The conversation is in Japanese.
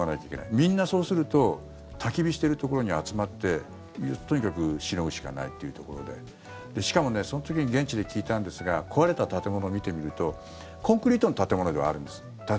みんな、そうするとたき火してるところに集まってとにかくしのぐしかないというところでしかもね、その時に現地で聞いたんですが壊れた建物を見てみるとコンクリートの建物があるんです。